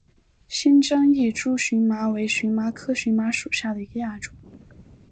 新疆异株荨麻为荨麻科荨麻属下的一个亚种。